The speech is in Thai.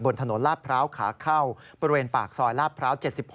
ถนนลาดพร้าวขาเข้าบริเวณปากซอยลาดพร้าว๗๖